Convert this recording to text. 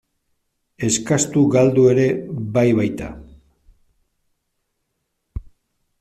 Eskastu galdu ere bai baita.